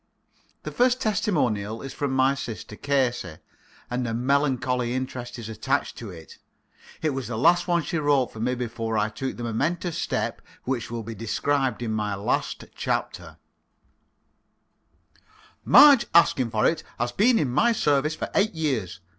The first testimonial is from my sister Casey, and a melancholy interest is attached to it. It was the last one she wrote for me before I took the momentous step which will be described in my last chapter: "Marge Askinforit has been in my service for eight years.